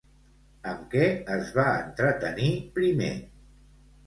Amb què es va entretenir primer?